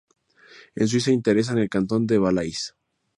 En Suiza interesan al Cantón del Valais.